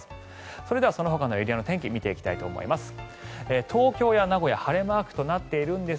それではそのほかのエリアの天気見ていきたいと思います。